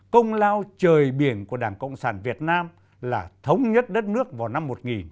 công lao trời biển của đảng cộng sản việt nam là thống nhất đất nước vào năm một nghìn chín trăm bảy mươi